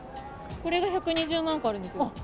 これが１２０万個あるんです。